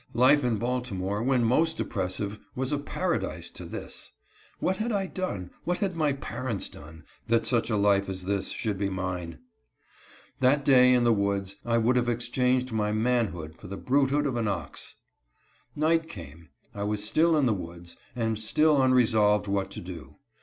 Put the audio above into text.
Life in Baltimore, when most oppressive, was a paradise to this. What had I done, what had my parents done, that such a life as this should be mine? That day, in the woods, I would have exchanged my manhood for the brutehood of an ox. Night came. I was still in the woods, and still unre solved what to do.